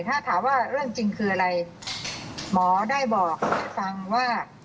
ถ้าถามว่าเรื่องจริงคืออะไรหมอได้บอกให้ฟังว่า